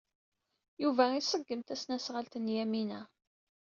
Yuba iṣeggem tasnasɣalt n Yamina.